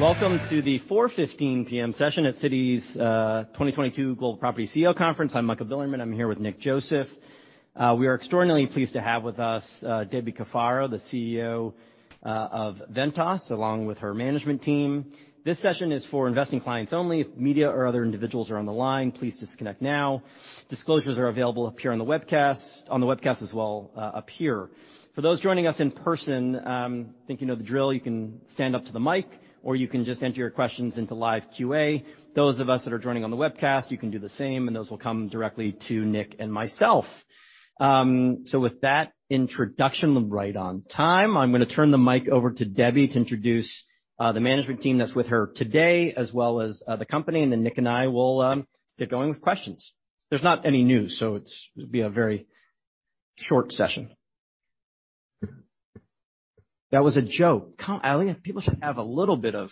Welcome to the 4:15 P.M. session at Citi's 2022 Global Property CEO Conference. I'm Michael Bilerman. I'm here with Nick Joseph. We are extraordinarily pleased to have with us Debbie Cafaro, the CEO of Ventas, along with her management team. This session is for investing clients only. If media or other individuals are on the line, please disconnect now. Disclosures are available up here on the webcast, on the webcast as well up here. For those joining us in person, I think you know the drill. You can stand up to the mic, or you can just enter your questions into live Q&A. Those of us that are joining on the webcast, you can do the same, and those will come directly to Nick and myself. So with that introduction right on time, I'm going to turn the mic over to Debbie to introduce the management team that's with her today, as well as the company, and then Nick and I will get going with questions. There's not any news, so it'll be a very short session. That was a joke. Atleast, people should have a little bit of,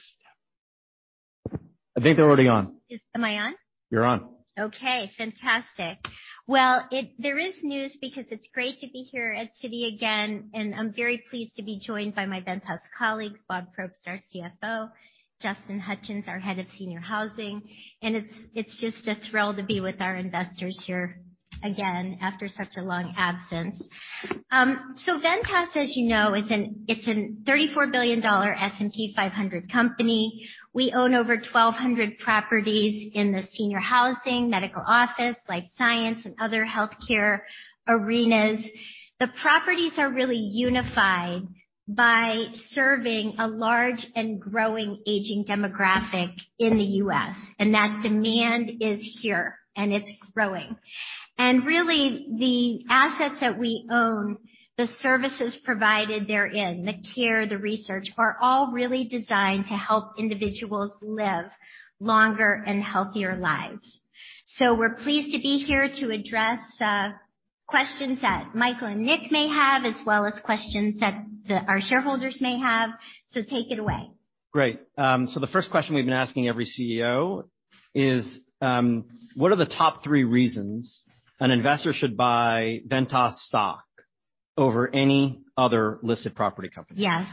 I think they're already on. Am I on? You're on. Okay. Fantastic, well, there is news because it's great to be here at Citi again, and I'm very pleased to be joined by my Ventas colleagues, Bob Probst, our CFO, Justin Hutchens, our head of senior housing, and it's just a thrill to be with our investors here again after such a long absence, so Ventas, as you know, is a $34 billion S&P 500 company. We own over 1,200 properties in the senior housing, medical office, life science, and other healthcare arenas. The properties are really unified by serving a large and growing aging demographic in the U.S., and that demand is here, and it's growing, and really, the assets that we own, the services provided therein, the care, the research, are all really designed to help individuals live longer and healthier lives. So we're pleased to be here to address questions that Michael and Nick may have, as well as questions that our shareholders may have. So take it away. Great. So the first question we've been asking every CEO is, what are the top three reasons an investor should buy Ventas stock over any other listed property company? Yes.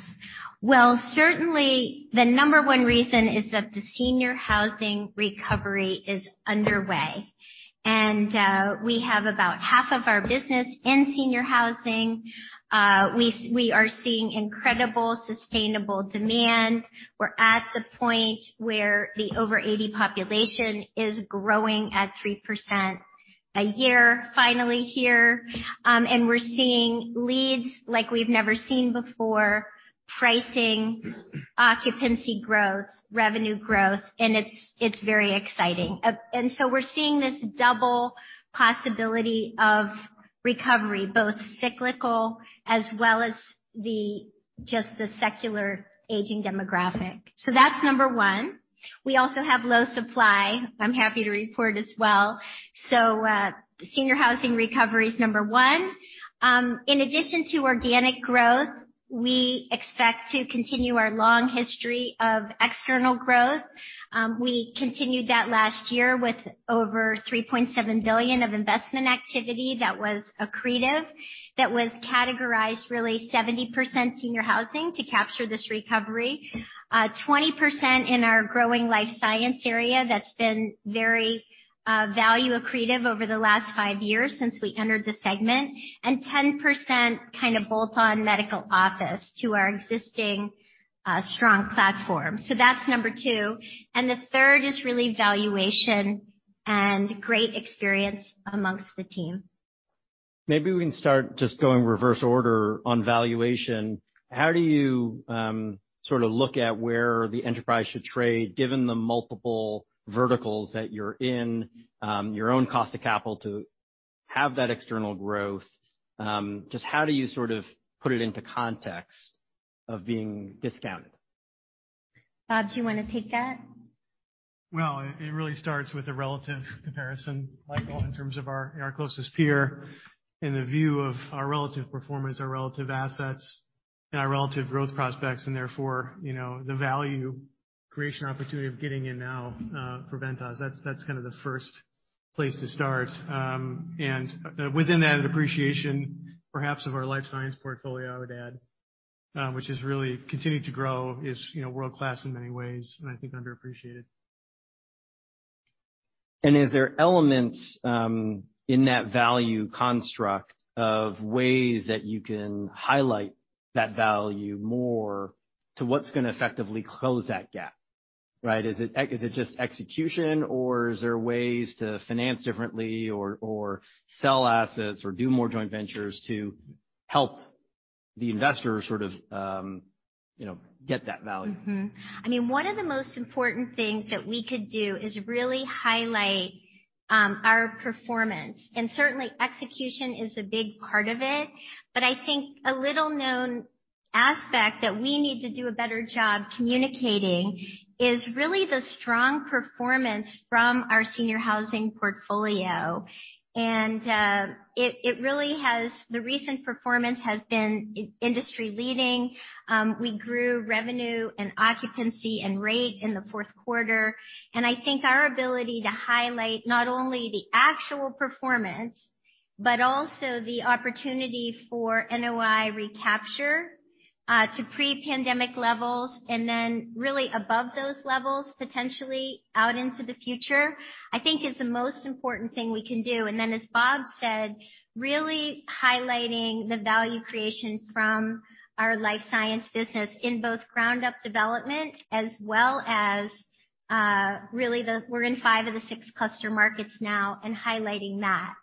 Well, certainly the number one reason is that the senior housing recovery is underway, and we have about half of our business in senior housing. We are seeing incredible sustainable demand. We're at the point where the over 80 population is growing at 3% a year finally here. And we're seeing leads like we've never seen before, pricing, occupancy growth, revenue growth, and it's very exciting. And so we're seeing this double possibility of recovery, both cyclical as well as just the secular aging demographic. So that's number one. We also have low supply. I'm happy to report as well. So senior housing recovery is number one. In addition to organic growth, we expect to continue our long history of external growth. We continued that last year with over $3.7 billion of investment activity that was accretive. That was categorized really 70% senior housing to capture this recovery, 20% in our growing life science area that's been very value accretive over the last five years since we entered the segment, and 10% kind of bolt-on medical office to our existing strong platform. So that's number two. And the third is really valuation and great experience amongst the team. Maybe we can start just going reverse order on valuation. How do you sort of look at where the enterprise should trade given the multiple verticals that you're in, your own cost of capital to have that external growth? Just how do you sort of put it into context of being discounted? Bob, do you want to take that? It really starts with a relative comparison, Michael, in terms of our closest peer in the view of our relative performance, our relative assets, and our relative growth prospects, and therefore the value creation opportunity of getting in now for Ventas. That's kind of the first place to start. Within that, appreciation perhaps of our life science portfolio, I would add, which has really continued to grow, is world-class in many ways, and I think underappreciated. And is there elements in that value construct of ways that you can highlight that value more to what's going to effectively close that gap? Right? Is it just execution, or is there ways to finance differently or sell assets or do more joint ventures to help the investors sort of get that value? I mean, one of the most important things that we could do is really highlight our performance, and certainly execution is a big part of it, but I think a little-known aspect that we need to do a better job communicating is really the strong performance from our senior housing portfolio, and it really has, the recent performance has been industry-leading, we grew revenue and occupancy and rate in the fourth quarter, and I think our ability to highlight not only the actual performance, but also the opportunity for NOI recapture to pre-pandemic levels, and then really above those levels, potentially out into the future, I think is the most important thing we can do, and then, as Bob said, really highlighting the value creation from our life science business in both ground-up development as well as really the, we're in five of the six cluster markets now, and highlighting that.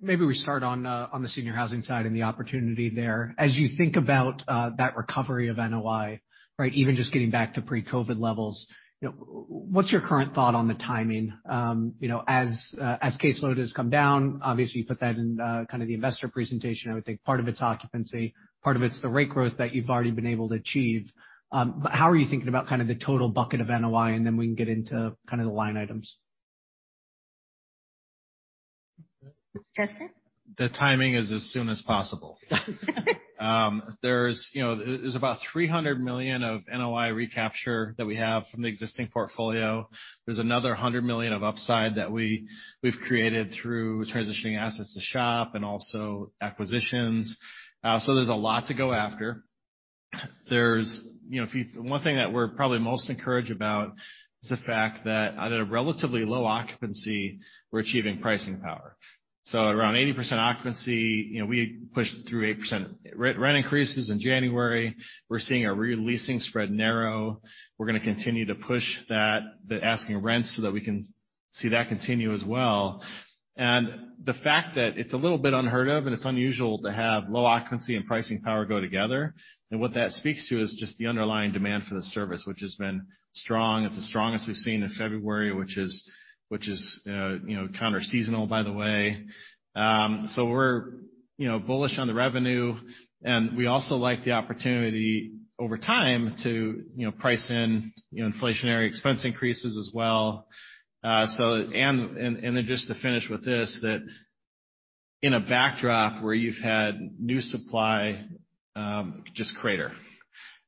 Maybe we start on the senior housing side and the opportunity there. As you think about that recovery of NOI, right, even just getting back to pre-COVID levels, what's your current thought on the timing? As caseload has come down, obviously, you put that in kind of the investor presentation. I would think part of it's occupancy, part of it's the rate growth that you've already been able to achieve. But how are you thinking about kind of the total bucket of NOI? And then we can get into kind of the line items. Justin? The timing is as soon as possible. There's about $300 million of NOI recapture that we have from the existing portfolio. There's another $100 million of upside that we've created through transitioning assets to SHOP and also acquisitions. So there's a lot to go after. One thing that we're probably most encouraged about is the fact that at a relatively low occupancy, we're achieving pricing power. So at around 80% occupancy, we pushed through 8% rent increases in January. We're seeing a re-leasing spread narrow. We're going to continue to push that, asking rents so that we can see that continue as well. And the fact that it's a little bit unheard of, and it's unusual to have low occupancy and pricing power go together. And what that speaks to is just the underlying demand for the service, which has been strong. It's the strongest we've seen in February, which is counter-seasonal, by the way. So we're bullish on the revenue. And we also like the opportunity over time to price in inflationary expense increases as well. And then just to finish with this, that in a backdrop where you've had new supply just crater.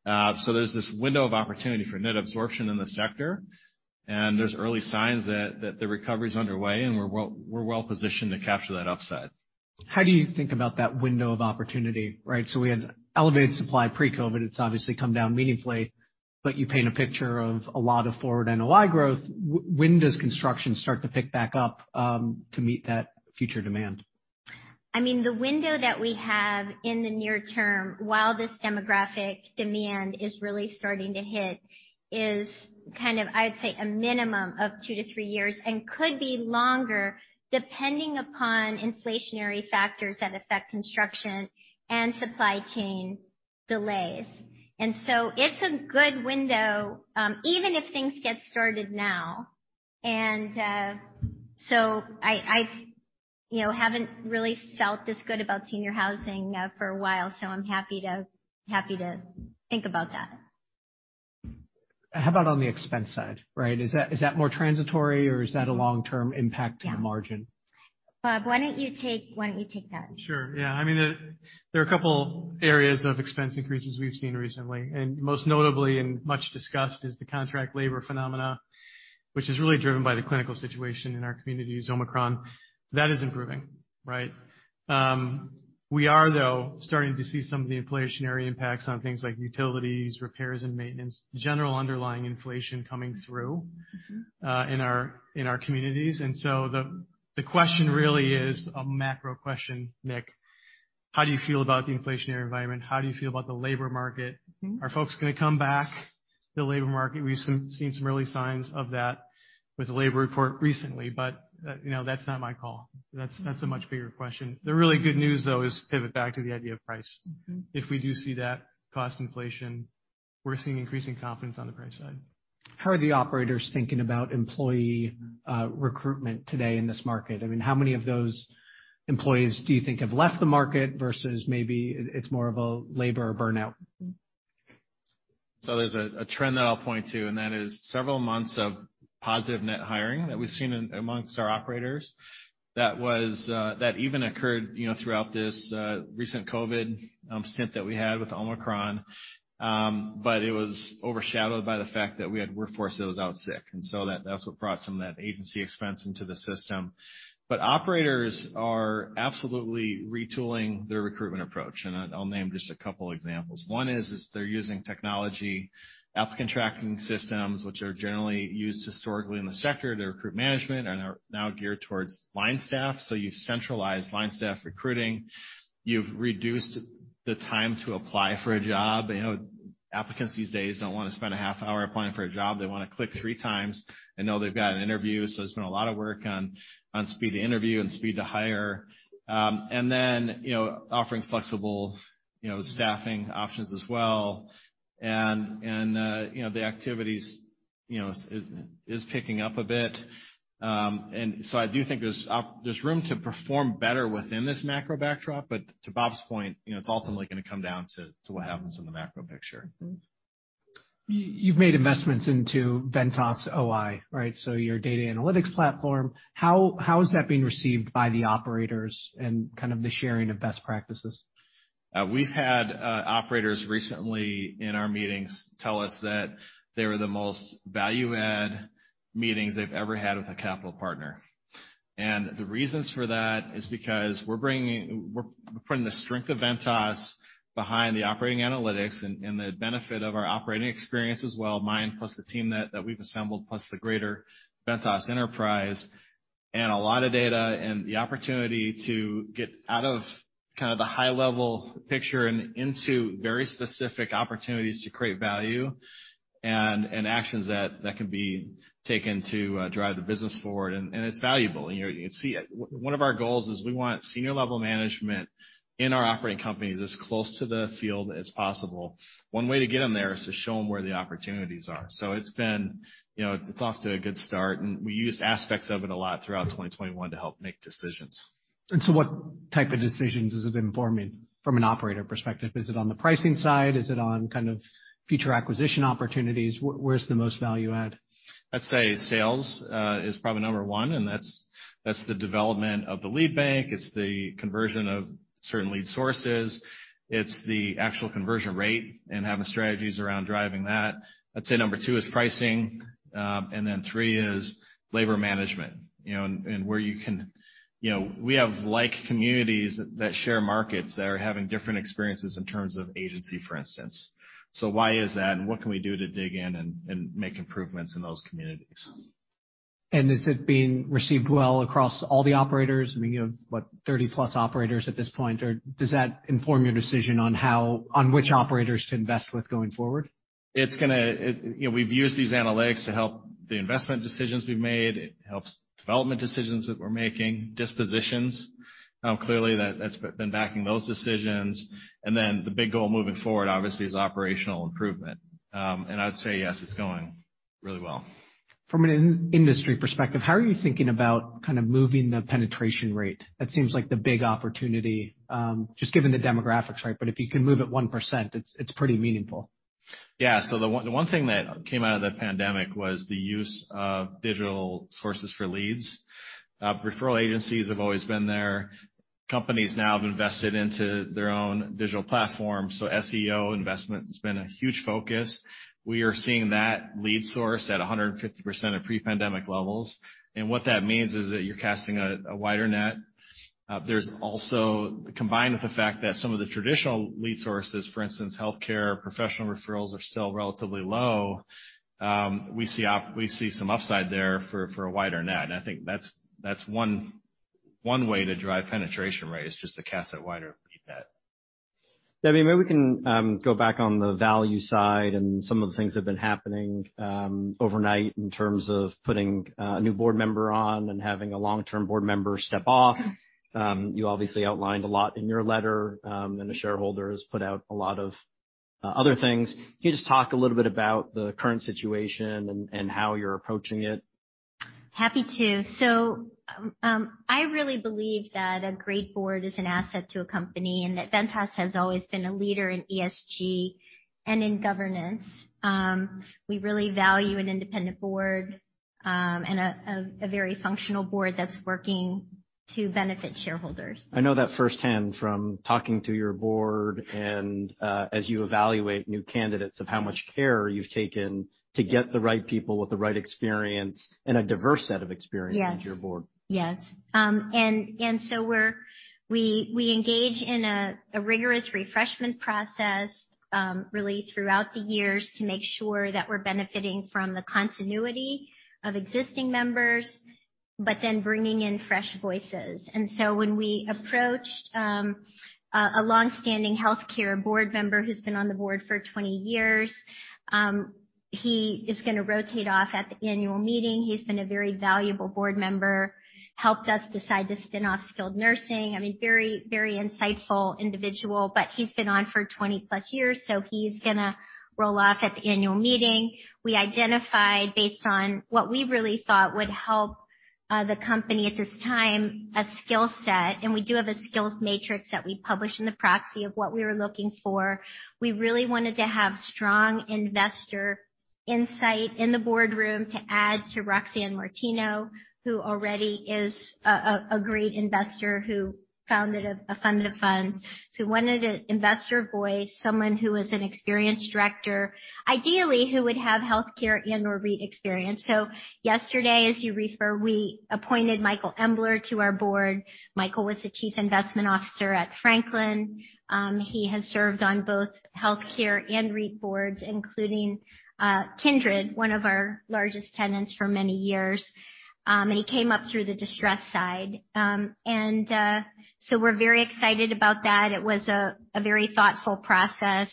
So there's this window of opportunity for net absorption in the sector, and there's early signs that the recovery is underway, and we're well-positioned to capture that upside. How do you think about that window of opportunity? Right? So we had elevated supply pre-COVID. It's obviously come down meaningfully, but you paint a picture of a lot of forward NOI growth. When does construction start to pick back up to meet that future demand? I mean, the window that we have in the near term while this demographic demand is really starting to hit is kind of, I would say, a minimum of two to three years and could be longer, depending upon inflationary factors that affect construction and supply chain delays. And so it's a good window, even if things get started now. And so I haven't really felt this good about senior housing for a while, so I'm happy to think about that. How about on the expense side? Right? Is that more transitory, or is that a long-term impact on the margin? Bob, why don't you take that? Sure. Yeah. I mean, there are a couple of areas of expense increases we've seen recently. And most notably and much discussed is the contract labor phenomenon, which is really driven by the clinical situation in our communities, Omicron. That is improving. Right? We are, though, starting to see some of the inflationary impacts on things like utilities, repairs, and maintenance, general underlying inflation coming through in our communities. And so the question really is a macro question, Nick. How do you feel about the inflationary environment? How do you feel about the labor market? Are folks going to come back to the labor market? We've seen some early signs of that with the labor report recently, but that's not my call. That's a much bigger question. The really good news, though, is pivot back to the idea of price. If we do see that cost inflation, we're seeing increasing confidence on the price side. How are the operators thinking about employee recruitment today in this market? I mean, how many of those employees do you think have left the market versus maybe it's more of a labor burnout? So there's a trend that I'll point to, and that is several months of positive net hiring that we've seen among our operators. That even occurred throughout this recent COVID stint that we had with Omicron, but it was overshadowed by the fact that we had workforce that was out sick. And so that's what brought some of that agency expense into the system. But operators are absolutely retooling their recruitment approach, and I'll name just a couple of examples. One is they're using technological applicant tracking systems, which are generally used historically in the sector. They're recruitment management and are now geared towards line staff. So you've centralized line staff recruiting. You've reduced the time to apply for a job. Applicants these days don't want to spend a half hour applying for a job. They want to click three times and know they've got an interview. So, there's been a lot of work on speed to interview and speed to hire. And then offering flexible staffing options as well. And the activities is picking up a bit. And so I do think there's room to perform better within this macro backdrop. But to Bob's point, it's ultimately going to come down to what happens in the macro picture. You've made investments into Ventas OI, right? So your data analytics platform. How is that being received by the operators and kind of the sharing of best practices? We've had operators recently in our meetings tell us that they were the most value-add meetings they've ever had with a capital partner, and the reasons for that is because we're putting the strength of Ventas behind the operating analytics and the benefit of our operating experience as well, mine plus the team that we've assembled plus the greater Ventas enterprise, and a lot of data and the opportunity to get out of kind of the high-level picture and into very specific opportunities to create value and actions that can be taken to drive the business forward, and it's valuable, and one of our goals is we want senior-level management in our operating companies as close to the field as possible. One way to get them there is to show them where the opportunities are. So it's off to a good start, and we used aspects of it a lot throughout 2021 to help make decisions. And so what type of decisions has it been forming from an operator perspective? Is it on the pricing side? Is it on kind of future acquisition opportunities? Where's the most value-add? I'd say sales is probably number one, and that's the development of the lead bank. It's the conversion of certain lead sources. It's the actual conversion rate and having strategies around driving that. I'd say number two is pricing. And then three is labor management and where you can, we have like communities that share markets that are having different experiences in terms of agency, for instance. So why is that, and what can we do to dig in and make improvements in those communities? Has it been received well across all the operators? I mean, you have, what, 30-plus operators at this point. Does that inform your decision on which operators to invest with going forward? We've used these analytics to help the investment decisions we've made. It helps development decisions that we're making, dispositions. Clearly, that's been backing those decisions. And then the big goal moving forward, obviously, is operational improvement. And I'd say, yes, it's going really well. From an industry perspective, how are you thinking about kind of moving the penetration rate? That seems like the big opportunity, just given the demographics, right? But if you can move it 1%, it's pretty meaningful. Yeah. So the one thing that came out of the pandemic was the use of digital sources for leads. Referral agencies have always been there. Companies now have invested into their own digital platforms. So SEO investment has been a huge focus. We are seeing that lead source at 150% of pre-pandemic levels. And what that means is that you're casting a wider net. There's also, combined with the fact that some of the traditional lead sources, for instance, healthcare professional referrals are still relatively low, we see some upside there for a wider net. And I think that's one way to drive penetration rate is just to cast that wider lead net. Debbie, maybe we can go back on the value side and some of the things that have been happening overnight in terms of putting a new board member on and having a long-term board member step off. You obviously outlined a lot in your letter, and the shareholders put out a lot of other things. Can you just talk a little bit about the current situation and how you're approaching it? Happy to. So I really believe that a great board is an asset to a company, and that Ventas has always been a leader in ESG and in governance. We really value an independent board and a very functional board that's working to benefit shareholders. I know that firsthand from talking to your board, and as you evaluate new candidates, of how much care you've taken to get the right people with the right experience and a diverse set of experience with your board. Yes. And so we engage in a rigorous refreshment process really throughout the years to make sure that we're benefiting from the continuity of existing members, but then bringing in fresh voices. And so when we approached a long-standing healthcare board member who's been on the board for 20 years, he is going to rotate off at the annual meeting. He's been a very valuable board member, helped us decide to spin off Skilled Nursing. I mean, very, very insightful individual, but he's been on for 20-plus years, so he's going to roll off at the annual meeting. We identified, based on what we really thought would help the company at this time, a skill set. And we do have a skills matrix that we publish in the proxy of what we were looking for. We really wanted to have strong investor insight in the boardroom to add to Roxanne Martino, who already is a great investor who founded a fund of funds. So we wanted an investor voice, someone who is an experienced director, ideally who would have healthcare and/or REIT experience. So yesterday, as you refer, we appointed Michael Embler to our board. Michael was the Chief Investment Officer at Franklin. He has served on both healthcare and REIT boards, including Kindred, one of our largest tenants for many years. And he came up through the distress side. And so we're very excited about that. It was a very thoughtful process,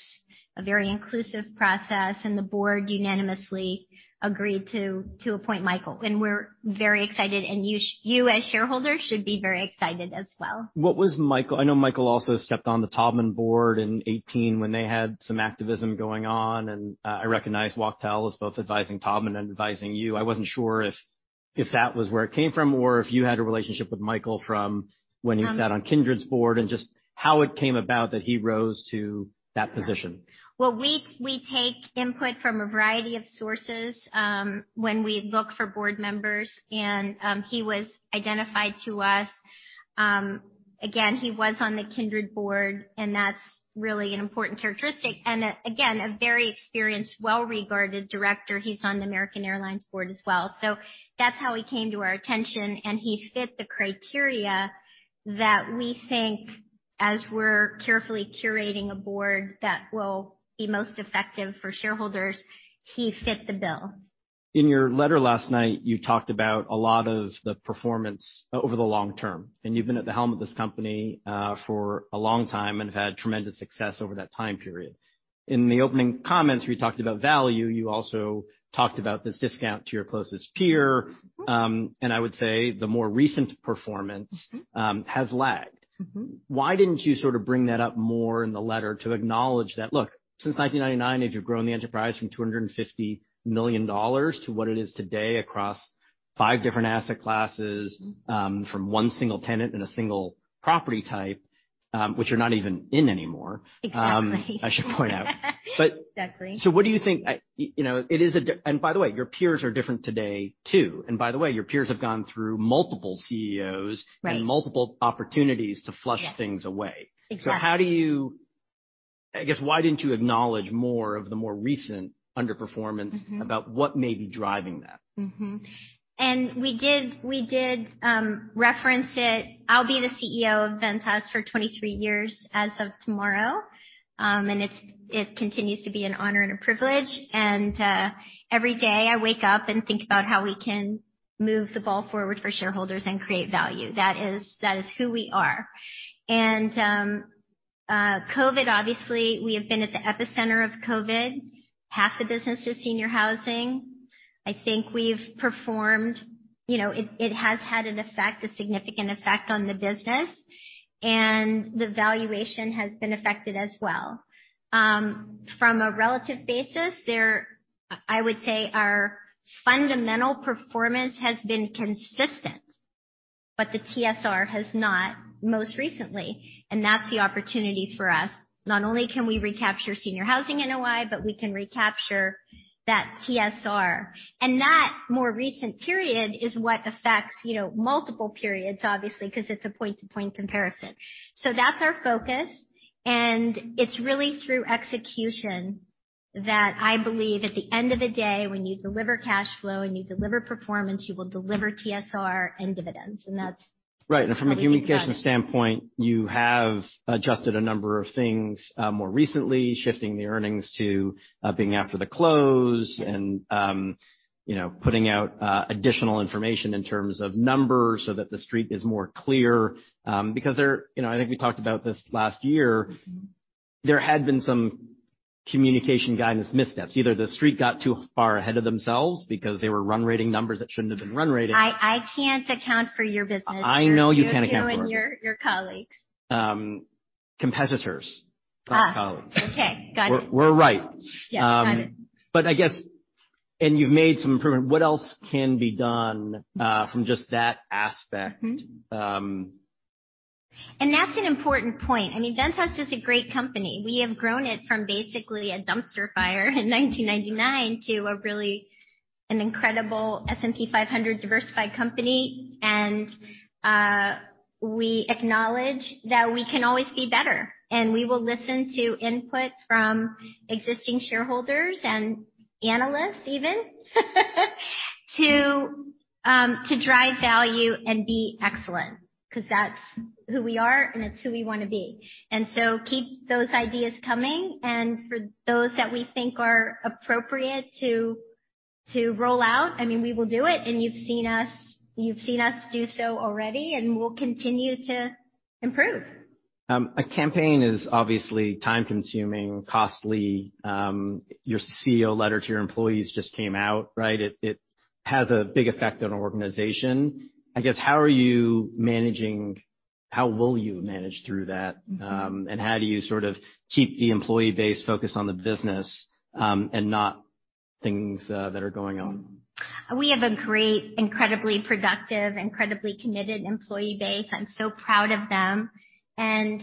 a very inclusive process, and the board unanimously agreed to appoint Michael. And we're very excited, and you as shareholders should be very excited as well. I know Michael also stepped on the Taubman board in 2018 when they had some activism going on, and I recognize Wachtell is both advising Taubman and advising you. I wasn't sure if that was where it came from or if you had a relationship with Michael from when he sat on Kindred's board and just how it came about that he rose to that position. Well, we take input from a variety of sources when we look for board members, and he was identified to us. Again, he was on the Kindred board, and that's really an important characteristic. And again, a very experienced, well-regarded director. He's on the American Airlines board as well. So that's how he came to our attention, and he fit the criteria that we think, as we're carefully curating a board that will be most effective for shareholders, he fit the bill. In your letter last night, you talked about a lot of the performance over the long term. And you've been at the helm of this company for a long time and have had tremendous success over that time period. In the opening comments, where you talked about value, you also talked about this discount to your closest peer. And I would say the more recent performance has lagged. Why didn't you sort of bring that up more in the letter to acknowledge that, look, since 1999, you've grown the enterprise from $250 million to what it is today across five different asset classes from one single tenant and a single property type, which you're not even in anymore, I should point out. Exactly. So what do you think? And by the way, your peers are different today too. And by the way, your peers have gone through multiple CEOs and multiple opportunities to flush things away. So how do you, I guess, why didn't you acknowledge more of the more recent underperformance about what may be driving that? And we did reference it. I'll be the CEO of Ventas for 23 years as of tomorrow. And it continues to be an honor and a privilege. And every day, I wake up and think about how we can move the ball forward for shareholders and create value. That is who we are. And COVID, obviously, we have been at the epicenter of COVID. Half the business is senior housing. I think we've performed. It has had an effect, a significant effect on the business, and the valuation has been affected as well. From a relative basis, I would say our fundamental performance has been consistent, but the TSR has not most recently. And that's the opportunity for us. Not only can we recapture senior housing in OI, but we can recapture that TSR. And that more recent period is what affects multiple periods, obviously, because it's a point-to-point comparison. So that's our focus. And it's really through execution that I believe, at the end of the day, when you deliver cash flow and you deliver performance, you will deliver TSR and dividends. And that's. Right. And from a communications standpoint, you have adjusted a number of things more recently, shifting the earnings to being after the close and putting out additional information in terms of numbers so that the street is more clear. Because I think we talked about this last year, there had been some communication guidance missteps. Either the street got too far ahead of themselves because they were run-rating numbers that shouldn't have been run-rating. I can't account for your business. I know you can't account for that. I'm interviewing your colleagues. Competitors, not colleagues. Okay. Got it. We're right. Yes. Got it. But I guess, and you've made some improvement. What else can be done from just that aspect? That's an important point. I mean, Ventas is a great company. We have grown it from basically a dumpster fire in 1999 to a really incredible S&P 500 diversified company. We acknowledge that we can always be better. We will listen to input from existing shareholders and analysts even to drive value and be excellent because that's who we are, and it's who we want to be. Keep those ideas coming. For those that we think are appropriate to roll out, I mean, we will do it. You've seen us do so already, and we'll continue to improve. A campaign is obviously time-consuming, costly. Your CEO letter to your employees just came out, right? It has a big effect on an organization. I guess, how are you managing, how will you manage through that? And how do you sort of keep the employee base focused on the business and not things that are going on? We have a great, incredibly productive, incredibly committed employee base. I'm so proud of them, and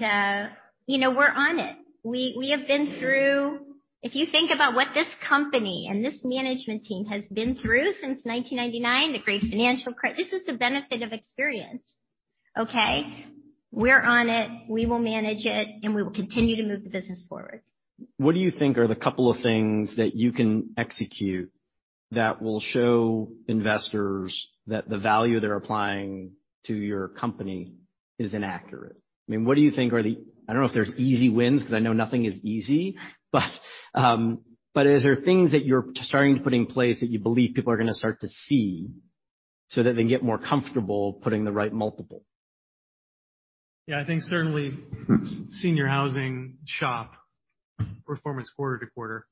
we're on it. We have been through, if you think about what this company and this management team has been through since 1999, the great financial crisis, this is the benefit of experience, okay? We're on it. We will manage it, and we will continue to move the business forward. What do you think are the couple of things that you can execute that will show investors that the value they're applying to your company is inaccurate? I mean, what do you think are the - I don't know if there's easy wins because I know nothing is easy. But are there things that you're starting to put in place that you believe people are going to start to see so that they can get more comfortable putting the right multiple? Yeah. I think certainly senior housing SHOP performance quarter to quarter.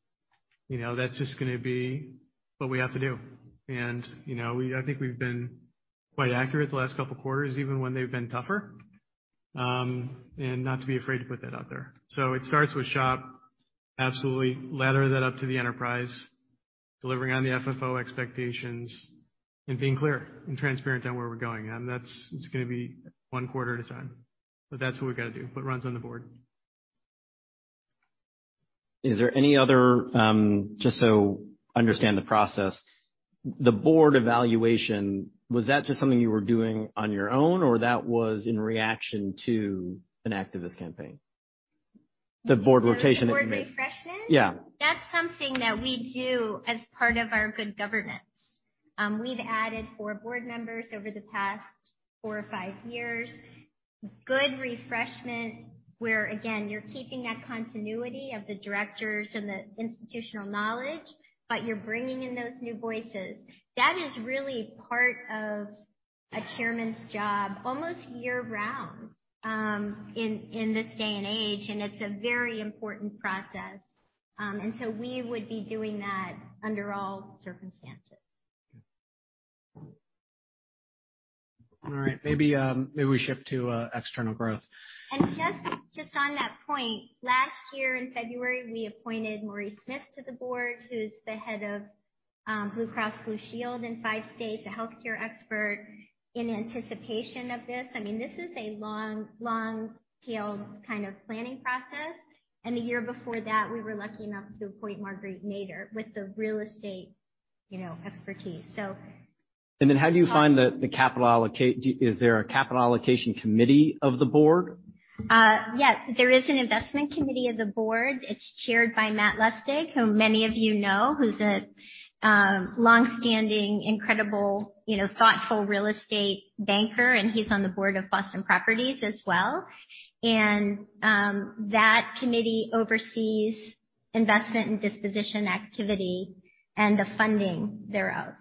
That's just going to be what we have to do, and I think we've been quite accurate the last couple of quarters, even when they've been tougher, and not to be afraid to put that out there, so it starts with SHOP, absolutely ladder that up to the enterprise, delivering on the FFO expectations, and being clear and transparent on where we're going, and it's going to be one quarter at a time, but that's what we've got to do, what runs on the board. Is there any other—just so I understand the process—the board evaluation, was that just something you were doing on your own, or that was in reaction to an activist campaign? The board rotation that you made. Board refreshment? Yeah. That's something that we do as part of our good governance. We've added four board members over the past four or five years. Good refreshment where, again, you're keeping that continuity of the directors and the institutional knowledge, but you're bringing in those new voices. That is really part of a chairman's job almost year-round in this day and age, and it's a very important process, and so we would be doing that under all circumstances. All right. Maybe we shift to external growth. And just on that point, last year in February, we appointed Maurice Smith to the board, who's the head of Blue Cross Blue Shield in five states, a healthcare expert in anticipation of this. I mean, this is a long-tailed kind of planning process. And the year before that, we were lucky enough to appoint Marguerite Nader with the real estate expertise. So. And then how do you find the capital allocation? Is there a capital allocation committee of the board? Yes. There is an investment committee of the board. It's chaired by Matt Lustig, who many of you know, who's a long-standing, incredible, thoughtful real estate banker, and he's on the board of Boston Properties as well. And that committee oversees investment and disposition activity and the funding thereof.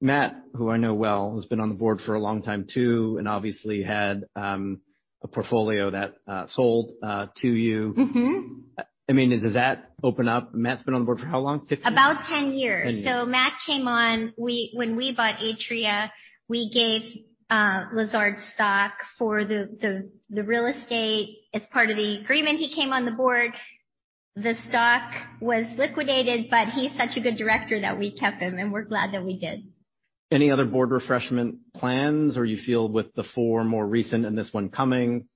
Matt, who I know well, has been on the board for a long time too and obviously had a portfolio that sold to you. I mean, does that open up? Matt's been on the board for how long? About 10 years. So Matt came on when we bought Atria. We gave Lazard stock for the real estate as part of the agreement. He came on the board. The stock was liquidated, but he's such a good director that we kept him, and we're glad that we did. Any other board refreshment plans or you feel with the four more recent and this one coming?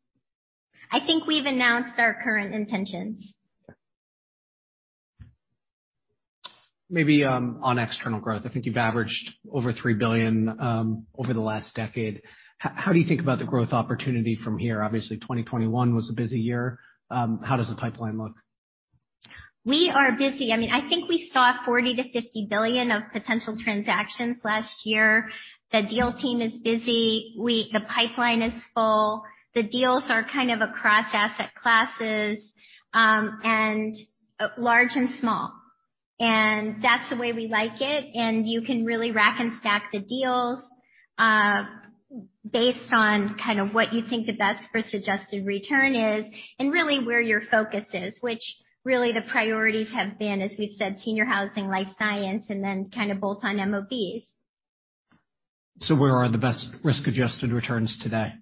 I think we've announced our current intentions. Maybe on external growth. I think you've averaged over $3 billion over the last decade. How do you think about the growth opportunity from here? Obviously, 2021 was a busy year. How does the pipeline look? We are busy. I mean, I think we saw $40 billion-$50 billion of potential transactions last year. The deal team is busy. The pipeline is full. The deals are kind of across asset classes and large and small. That's the way we like it. You can really rack and stack the deals based on kind of what you think the best for suggested return is and really where your focus is, which really the priorities have been, as we've said, senior housing, life science, and then kind of bolt-on MOBs. Where are the best risk-adjusted returns today?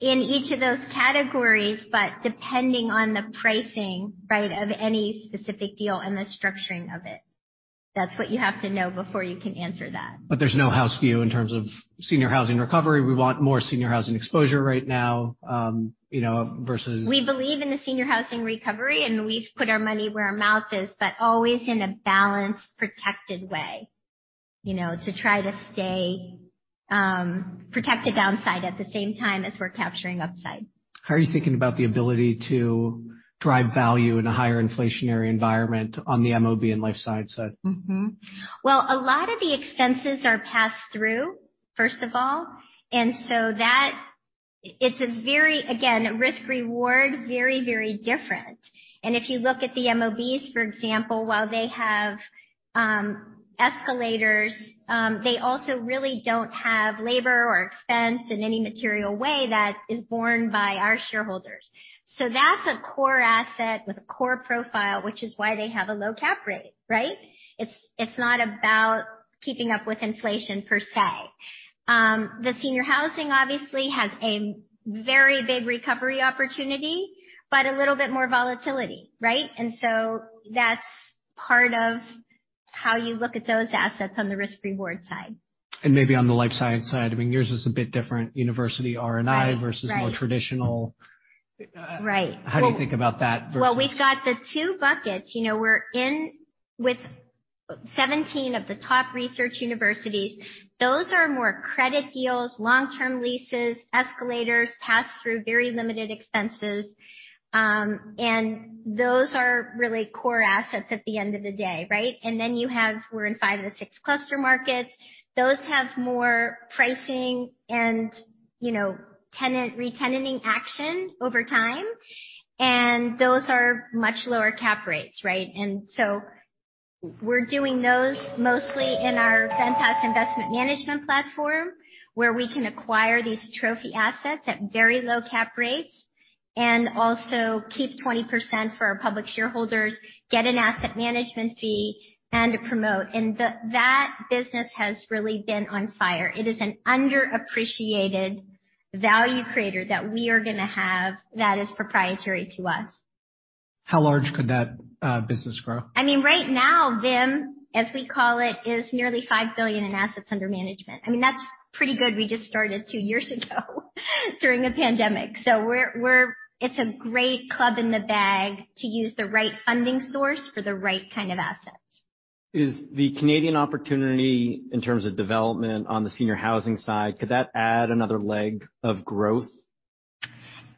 In each of those categories, but depending on the pricing, right, of any specific deal and the structuring of it. That's what you have to know before you can answer that. But there's no house view in terms of senior housing recovery. We want more senior housing exposure right now versus. We believe in the senior housing recovery, and we've put our money where our mouth is, but always in a balanced, protected way to try to stay protect the downside at the same time as we're capturing upside. How are you thinking about the ability to drive value in a higher inflationary environment on the MOB and life science side? A lot of the expenses are passed through, first of all. And so it's a very, again, risk-reward, very, very different. And if you look at the MOBs, for example, while they have escalators, they also really don't have labor or expense in any material way that is borne by our shareholders. So that's a core asset with a core profile, which is why they have a low cap rate, right? It's not about keeping up with inflation per se. The senior housing obviously has a very big recovery opportunity, but a little bit more volatility, right? And so that's part of how you look at those assets on the risk-reward side. And maybe on the life science side, I mean, yours is a bit different, university R&I versus more traditional. Right. Right. How do you think about that? We've got the two buckets. We're in with 17 of the top research universities. Those are more credit deals, long-term leases, escalators, pass-through, very limited expenses. Those are really core assets at the end of the day, right? Then you have. We're in five of the six cluster markets. Those have more pricing and tenant retention action over time. Those are much lower cap rates, right? So we're doing those mostly in our Ventas Investment Management platform where we can acquire these trophy assets at very low cap rates and also keep 20% for our public shareholders, get an asset management fee, and promote. That business has really been on fire. It is an underappreciated value creator that we are going to have that is proprietary to us. How large could that business grow? I mean, right now, VIM, as we call it, is nearly $5 billion in assets under management. I mean, that's pretty good. We just started two years ago during the pandemic. So it's a great club in the bag to use the right funding source for the right kind of assets. Is the Canadian opportunity in terms of development on the senior housing side, could that add another leg of growth?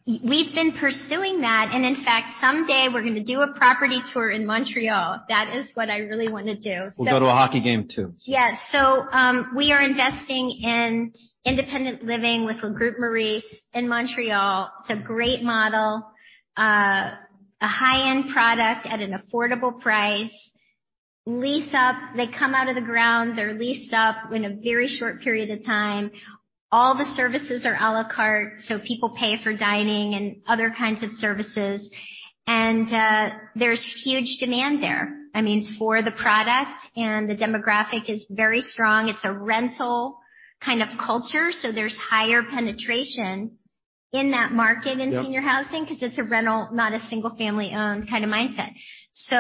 We've been pursuing that. In fact, someday we're going to do a property tour in Montreal. That is what I really want to do. We'll go to a hockey game too. Yeah. So we are investing in independent living with Le Groupe Maurice in Montreal. It's a great model, a high-end product at an affordable price. They come out of the ground. They're leased up in a very short period of time. All the services are à la carte. So people pay for dining and other kinds of services. And there's huge demand there, I mean, for the product. And the demographic is very strong. It's a rental kind of culture. So there's higher penetration in that market in senior housing because it's a rental, not a single-family-owned kind of mindset. So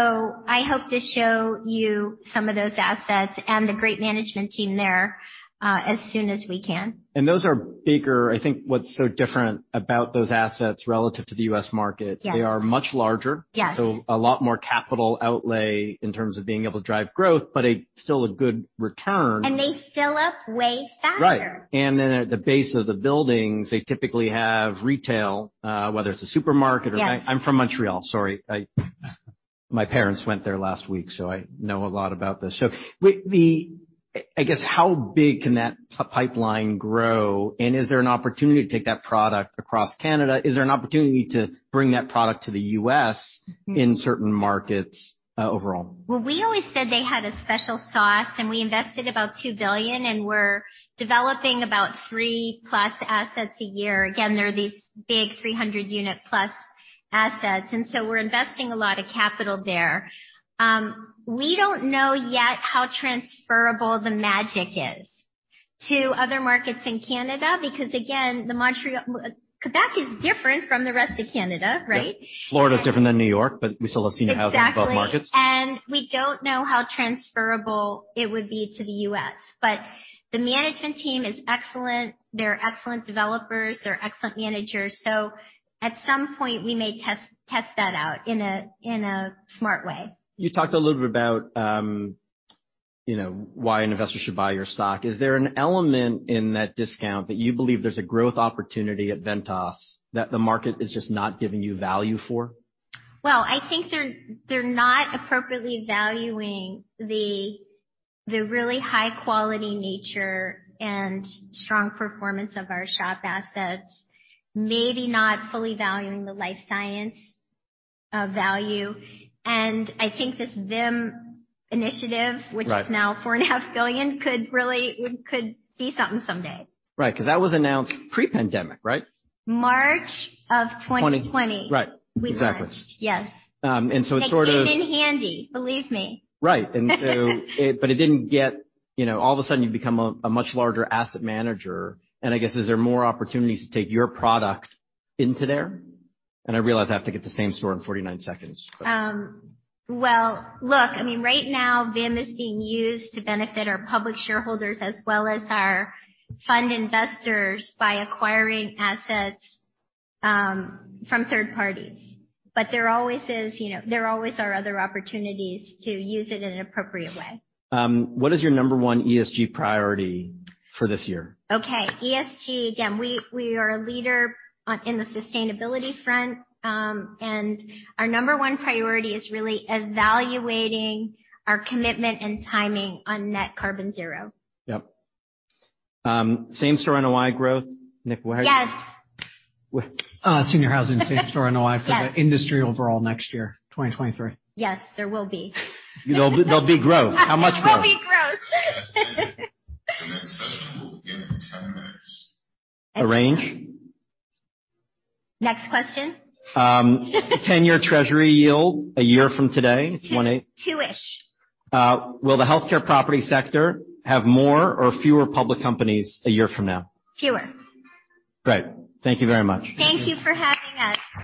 I hope to show you some of those assets and the great management team there as soon as we can. And those are bigger. I think what's so different about those assets relative to the U.S. market, they are much larger. So a lot more capital outlay in terms of being able to drive growth, but still a good return. They fill up way faster. Right. And then at the base of the buildings, they typically have retail, whether it's a supermarket or. I'm from Montreal, sorry. My parents went there last week, so I know a lot about this. So I guess, how big can that pipeline grow? And is there an opportunity to take that product across Canada? Is there an opportunity to bring that product to the U.S. in certain markets overall? We always said they had a special sauce, and we invested about $2 billion, and we're developing about three plus assets a year. Again, there are these big 300-unit plus assets, and so we're investing a lot of capital there. We don't know yet how transferable the magic is to other markets in Canada because, again, Quebec is different from the rest of Canada, right? Florida is different than New York, but we still have senior housing in both markets. Exactly. And we don't know how transferable it would be to the U.S. But the management team is excellent. They're excellent developers. They're excellent managers. So at some point, we may test that out in a smart way. You talked a little bit about why an investor should buy your stock. Is there an element in that discount that you believe there's a growth opportunity at Ventas that the market is just not giving you value for? I think they're not appropriately valuing the really high-quality nature and strong performance of our SHOP assets, maybe not fully valuing the life science value. I think this VIM initiative, which is now $4.5 billion, could be something someday. Right. Because that was announced pre-pandemic, right? March of 2020. Right. Exactly. Yes. It sort of. It came in handy, believe me. Right. But it didn't get all of a sudden, you become a much larger asset manager. And I guess, is there more opportunities to take your product into there? And I realize I have to get the same story in 49 seconds. Look, I mean, right now, VIM is being used to benefit our public shareholders as well as our fund investors by acquiring assets from third parties, but there always are other opportunities to use it in an appropriate way. What is your number one ESG priority for this year? Okay. ESG, again, we are a leader in the sustainability front. And our number one priority is really evaluating our commitment and timing on net carbon zero. Yep. Same story on NOI growth? Yes. Senior housing, same story on NOI for the industry overall next year, 2023. Yes. There will be. There'll be growth. How much growth? There'll be growth. The next session, we'll give 10 minutes. A range? Next question. 10-year Treasury yield a year from today? It's 1.8. Two-ish. Will the healthcare property sector have more or fewer public companies a year from now? Fewer. Great. Thank you very much. Thank you for having us.